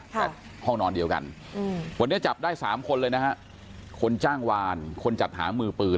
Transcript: แต่ห้องนอนเดียวกันวันนี้จับได้สามคนเลยนะฮะคนจ้างวานคนจัดหามือปืน